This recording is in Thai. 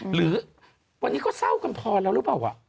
หรือวันนี้ก็เศร้ากันพอแล้วหรือเปล่า